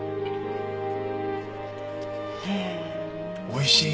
おいしい！